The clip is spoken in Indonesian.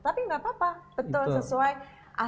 tapi tidak apa apa